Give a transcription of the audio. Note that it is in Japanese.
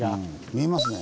見えますね。